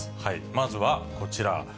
まずはこちら。